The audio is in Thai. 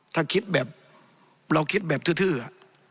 ถ้าเราคิดแบบทื้ออ่ะ